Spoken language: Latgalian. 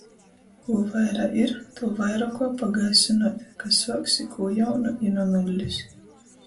Kū vaira ir, tū vaira kuo pagaisynuot, ka suoksi kū jaunu i nu nullis.